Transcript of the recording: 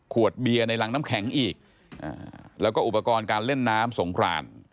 เบียร์ในรังน้ำแข็งอีกแล้วก็อุปกรณ์การเล่นน้ำสงคราน